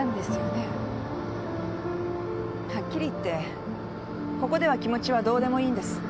はっきり言ってここでは気持ちはどうでもいいんです。